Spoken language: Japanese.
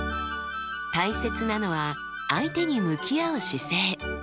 大切なのは相手に向き合う姿勢。